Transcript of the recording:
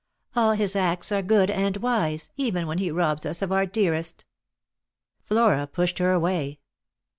" All his acts are good and wise, even when He robs us of our dearest." Flora pushed her away.